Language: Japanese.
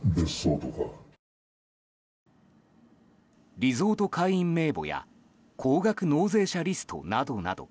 リゾート会員名簿や高額納税者リストなどなど。